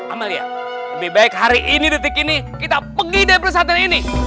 amalia lebih baik hari ini detik ini kita pergi dari persatuan ini